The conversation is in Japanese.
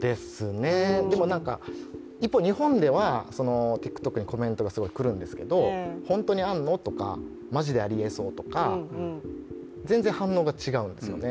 でも、日本ではＴｉｋＴｏｋにコメントがすぐ来るんですけど本当にあるの？とか、マジでありえそうとか全然反応が違うんですよね。